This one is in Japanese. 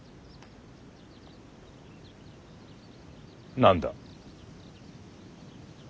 何だ。